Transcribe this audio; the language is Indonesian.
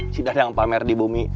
si dadan pamer di bumi